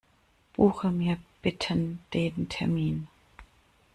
Buche mir bitten den Termin.